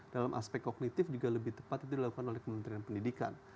dalam aspek kognitif juga lebih tepat itu dilakukan oleh kementerian pendidikan